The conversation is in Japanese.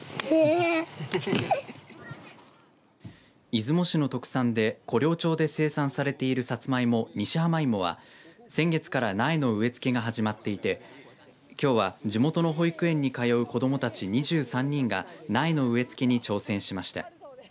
出雲市の特産で湖陵町で生産されているサツマイモ、西浜いもは先月から苗の植え付けが始まっていてきょうは地元の保育園に通う子どもたち２３人が苗の植え付けに挑戦しました。